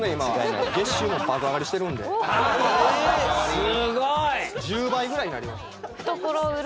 すごい！